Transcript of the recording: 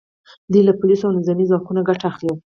دوی له پولیسو او نظامي ځواکونو ګټه اخلي